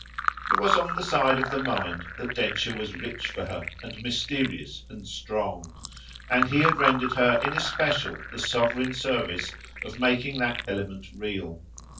It was on the side of the mind that Densher was rich for her and mysterious and strong; and he had rendered her in especial the sovereign service of making that element real.